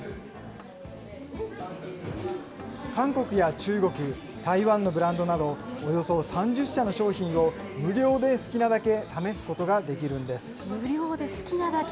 韓国や中国、台湾のブランドなどおよそ３０社の商品を無料で好きなだけ試すこ無料で好きなだけ？